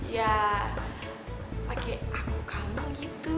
ya pakai aku kamu gitu